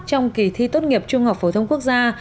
trong kỳ thi tốt nghiệp trung học phổ thông quốc gia